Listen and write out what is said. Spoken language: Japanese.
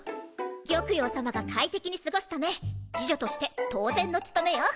玉葉さまが快適に過ごすため侍女として当然の務めよ。